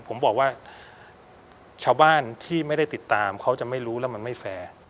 ผมบอกว่าชาวบ้านที่ไม่ได้ติดตามเขาจะไม่รู้แล้วมันไม่แฟร์